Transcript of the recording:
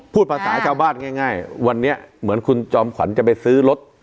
พูดภาษาชาวบ้านง่ายวันนี้เหมือนคุณจอมขวัญจะไปซื้อรถ